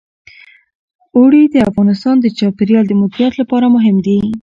اوړي د افغانستان د چاپیریال د مدیریت لپاره مهم دي.